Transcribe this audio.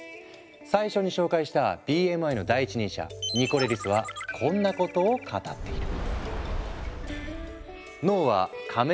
最初に紹介したＢＭＩの第一人者ニコレリスはこんなことを語っている。